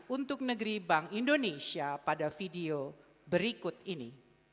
untuk negeri bank indonesia pada video berikut ini